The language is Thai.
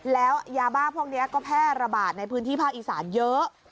แล้วยาบ้าพวกนี้ก็แพร่ระบาดในพื้นที่ภาคอีสานเยอะ